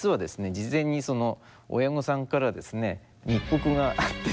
事前にその親御さんから密告があってですね